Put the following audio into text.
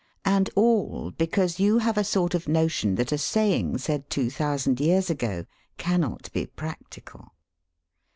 And all because you have a sort of notion that a saying said two thousand years ago cannot be practical.